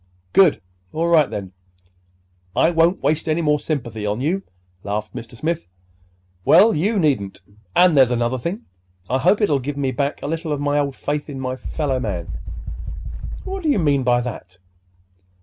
"Good! All right, then. I won'twaste any more sympathy on you," laughed Mr. Smith. "Well, you needn't. And there's another thing. I hope it'll give me back a little of my old faith in my fellow man." "What do you mean by that?"